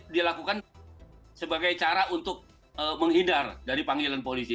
dilakukan sebagai cara untuk menghidar dari panggilan polisi